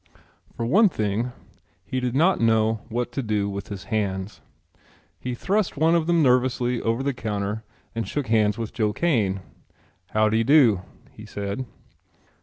For one thing, he did not know what to do with his hands. He thrust one of them nervously over the counter and shook hands with Joe Kane. "How de do," he said.